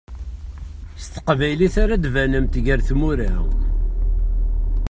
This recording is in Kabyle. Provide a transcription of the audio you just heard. S teqbaylit ara d-banemt gar tmura.